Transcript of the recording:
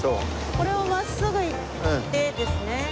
これを真っすぐ行ってですね